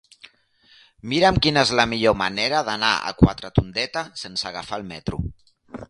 Mira'm quina és la millor manera d'anar a Quatretondeta sense agafar el metro.